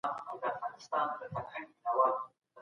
دا قراني ايت د عزت ساتلو تر ټولو قوي سند دی.